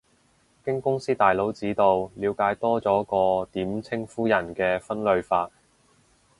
經公司大佬指導，了解多咗個點稱呼人嘅分類法